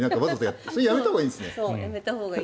それはやめたほうがいいですね。